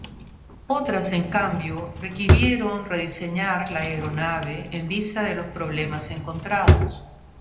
Otras, en cambio, requirieron rediseñar la aeronave en vista de los problemas encontrados.